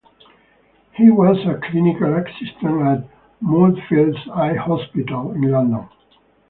He was a clinical assistant at Moorfields Eye Hospital in London.